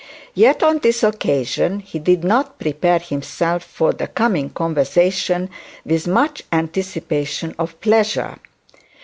Yet on this occasion he did not prepare himself for the coming conversation with much anticipation of pleasure.